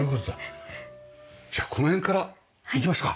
じゃあこの辺からいきますか。